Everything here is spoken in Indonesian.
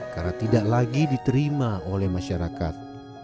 karena tidak lagi diterima oleh masyarakat